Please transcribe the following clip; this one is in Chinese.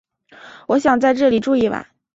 我想在这里住一晚